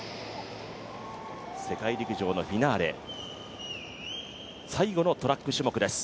世界陸上のフィナーレ、最後のトラック種目です。